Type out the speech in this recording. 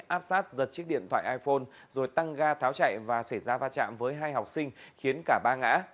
áp sát giật chiếc điện thoại iphone rồi tăng ga tháo chạy và xảy ra va chạm với hai học sinh khiến cả ba ngã